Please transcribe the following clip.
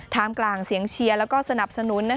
มกลางเสียงเชียร์และสนับสนุน